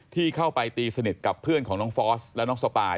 ที่เข้าไปตีสนิทกับเพื่อนของน้องฟอสและน้องสปาย